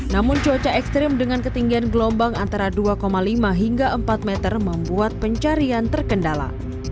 namun cuaca ekstrim dengan ketinggian gelombang antara dua lima hingga empat meter membuat pencarian terkendala